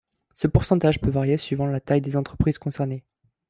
Ce pourcentage peut varier suivant la taille des entreprises concernées.